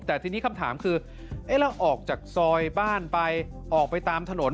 แต่ทีนี้คำถามคือเราออกจากซอยบ้านไปออกไปตามถนน